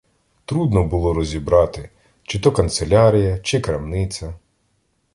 Трудно було розібрати, чи то канцелярія, чи крамниця.